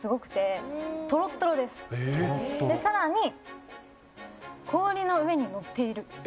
で更に氷の上に乗っている。